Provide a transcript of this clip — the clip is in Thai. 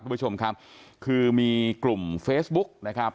คุณผู้ชมครับคือมีกลุ่มเฟซบุ๊กนะครับ